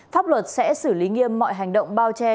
pháp luật sẽ xử lý nghiêm mọi hành động bao che